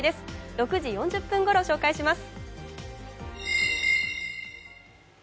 ６時４０分ごろ紹介します。